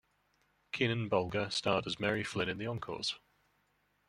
Keenan-Bolger starred as Mary Flynn in the Encores!